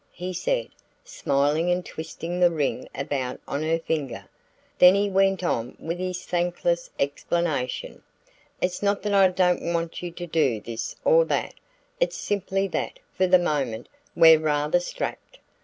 he said, smiling and twisting the ring about on her finger; then he went on with his thankless explanation. "It's not that I don't want you to do this or that; it's simply that, for the moment, we're rather strapped.